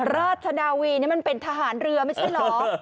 ราชนาวีนี่มันเป็นทหารเรือไม่ใช่เหรอ